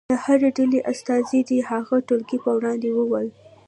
د هرې ډلې استازی دې هغه ټولګي په وړاندې ووایي.